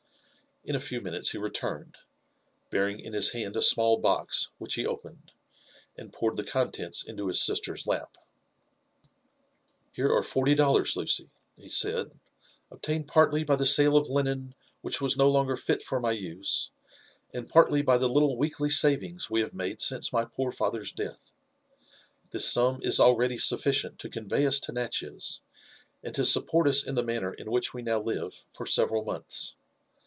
In a few minutes he returned, bearing in his hand a small box, which he opened, and poured the contents into his sister's lap. *' Here are forty dollars, Lucy," he said, obtained partly by the sale of linen which was no longer fit for my use, and partly by the little weekly savings we have made since my poor father's death. This sum is already sufficient to convey us to Natchez, and to support us in the manner in which we now live fbr several months.